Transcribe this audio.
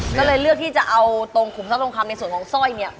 ก็เลยเลือกที่จะเอาตรงขุมทรัพย์ทองคำในส่วนของสร้อยเนี่ย